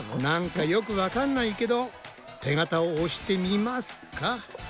なんかよくわかんないけど手形を押してみますか。